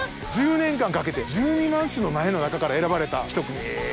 １０年間かけて１２万種の苗の中から選ばれた。